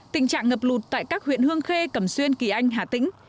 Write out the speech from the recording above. tình trạng ngập lụt tại các huyện hương khê cẩm xuyên kỳ anh hà tĩnh